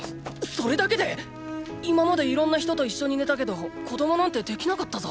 それだけで⁉今までいろんな人と一緒に寝たけど子供なんてできなかったぞ